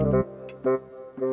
kum saya ikannya beli dua